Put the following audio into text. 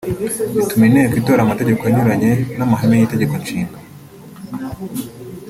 bituma inteko itora amategeko anyuranye n’amahame y’Itegeko Nshinga